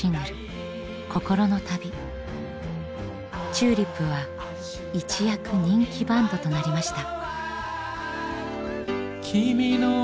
ＴＵＬＩＰは一躍人気バンドとなりました。